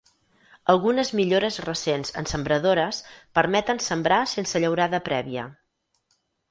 Algunes millores recents en sembradores permeten sembrar sense llaurada prèvia.